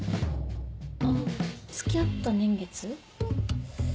あぁ付き合った年月？